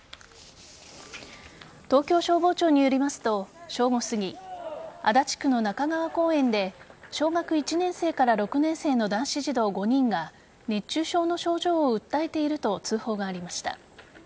東京消防庁によりますと正午すぎ、足立区の中川公園で小学１年生から６年生の男子児童５人が熱中症の症状を訴えていると通報がありました。